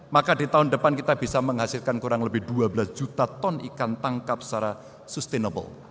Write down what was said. maka di tahun depan kita bisa menghasilkan kurang lebih dua belas juta ton ikan tangkap secara sustainable